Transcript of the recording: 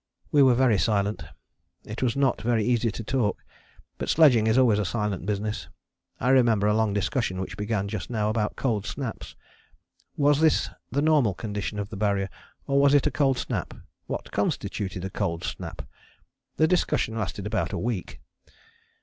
We were very silent, it was not very easy to talk: but sledging is always a silent business. I remember a long discussion which began just now about cold snaps was this the normal condition of the Barrier, or was it a cold snap? what constituted a cold snap? The discussion lasted about a week.